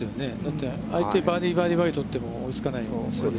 だって、相手がバーディー、バーディーと取っても追いつかない。